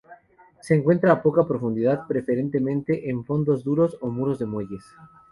Se encuentra a poca profundidad, preferentemente en fondos duros o muros de muelles.